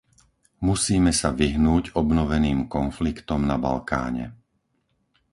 Musíme sa vyhnúť obnoveným konfliktom na Balkáne.